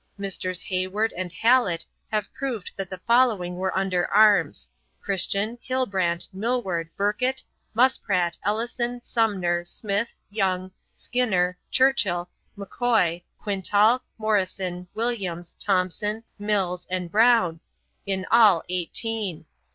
Messrs. Hayward and Hallet have proved that the following were under arms: Christian, Hillbrant, Millward, Burkitt, Muspratt, Ellison, Sumner, Smith, Young, Skinner, Churchill, M'Koy, Quintal, Morrison, Williams, Thompson, Mills, and Brown, in all eighteen.